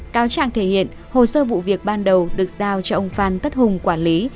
cáo trạng thể hiện hồ sơ vụ việc ban đầu được giao cho ông phan tất hùng quản lý